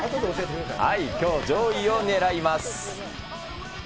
きょう、上位を狙います。